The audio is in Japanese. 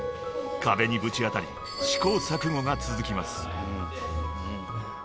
［壁にぶち当たり試行錯誤が続きます］